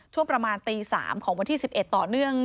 ช่วงประมาณตี๓ของวันที่๑๑ต่อเนื่อง